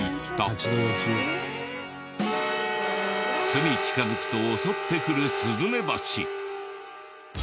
巣に近づくと襲ってくるスズメバチ。